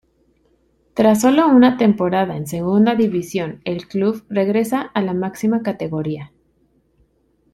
Tras sólo una temporada en Segunda División el club regresa a la máxima categoría.